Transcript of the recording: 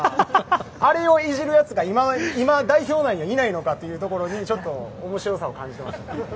あれをいじるやつが今代表内にいないのかとちょっと面白さを感じていました。